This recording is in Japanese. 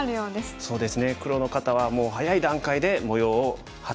そうですね。